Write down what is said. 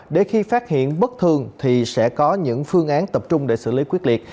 để khi phát hiện bất thường thì sẽ có những phương án tập trung để xử lý quyết liệt